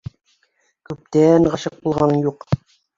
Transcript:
Күптән ғашиҡ булғаның юҡ.